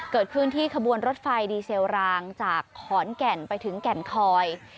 เกิดขึ้นที่ขบวนรถไฟดีเซลรางจากขอนแก่นไปถึงแก่นคอย